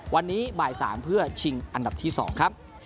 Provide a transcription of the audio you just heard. วันนี้บ่าย๓เพื่อชิงอันดับที่๒ครับ